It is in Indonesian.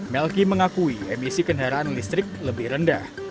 melki mengakui emisi kendaraan listrik lebih rendah